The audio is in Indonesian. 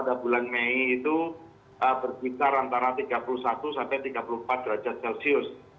pada bulan mei itu berkisar antara tiga puluh satu sampai tiga puluh empat derajat celcius